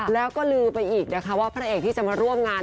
แล้วก็ลือไปอีกนะคะว่าพระเอกที่จะมาร่วมงาน